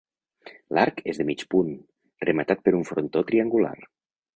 L'arc és de mig punt, rematat per un frontó triangular.